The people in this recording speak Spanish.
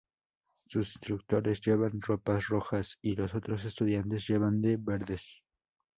Sus instructores llevan ropas rojas y los otros estudiantes llevan de verdes.